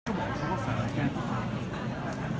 เขาบอกว่าฝ่านคานนี่